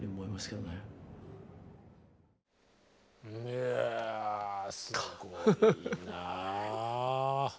いやあすごいな。